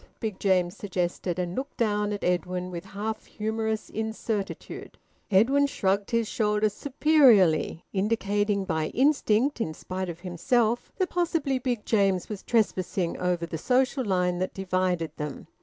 Big James suggested, and looked down at Edwin with half humorous incertitude. Edwin shrugged his shoulders superiorly, indicating by instinct, in spite of himself, that possibly Big James was trespassing over the social line that divided them.